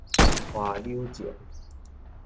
花柳症